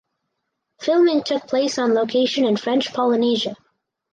Filming took place on location in French Polynesia.